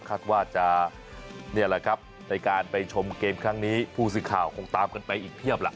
คาดว่าจะนี่แหละครับในการไปชมเกมครั้งนี้ผู้สื่อข่าวคงตามกันไปอีกเพียบล่ะ